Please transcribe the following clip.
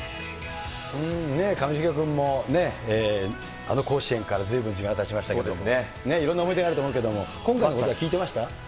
上重君も、あの甲子園からずいぶん時間がたちましたけれども、いろんな思い出があると思うけれども、今回のことは聞いてました？